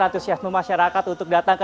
antusiasme masyarakat untuk datang ke